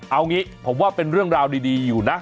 เอางี้ผมว่าเป็นเรื่องราวดีอยู่นะ